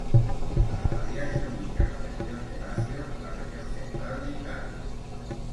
La abadía se ubica en la región de Lacio, la región central de Italia.